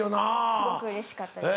すごくうれしかったです。